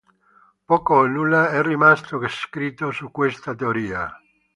Poco o nulla è rimasto scritto su questa teoria.